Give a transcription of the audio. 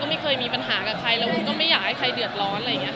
ก็ไม่เคยมีปัญหากับใครแล้วไม่อยากให้ใครเดือดร้อน